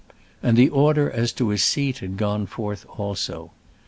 And the order as to his seat had gone forth also.